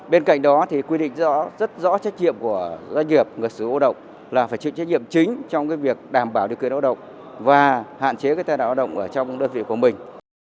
bên cạnh đó thì quy định rất rõ trách nhiệm của doanh nghiệp ngược sự hoạt động là phải trực trách nhiệm chính trong cái việc đảm bảo điều kiện hoạt động và hạn chế cái tai nạn hoạt động ở trong đơn vị của mình